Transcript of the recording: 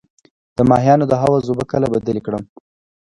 د ماهیانو د حوض اوبه کله بدلې کړم؟